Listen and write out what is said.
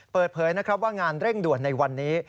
เปิดเผยนะครับว่างานเร่งด่วนในวันนี้